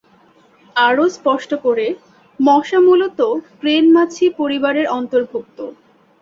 আরও স্পষ্ট করে, মশা মূলত ক্রেন মাছি পরিবারের অন্তর্ভুক্ত।